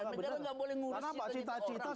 negara tidak boleh mengurus cita cita orang